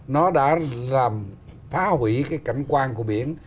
nó đã làm phá hủy cái cảnh quan của biển